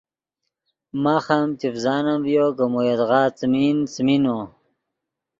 ماخ ام چڤزانم ڤیو کہ مو یدغا څیمین، څیمین نو